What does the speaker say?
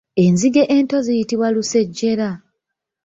Enzige ento ziyitibwa lusejjera.